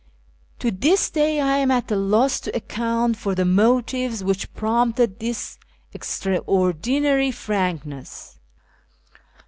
To this day I am at a loss to account for the motives which prompted this extraordinary frankness.